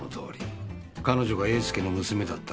彼女が栄介の娘だったらね。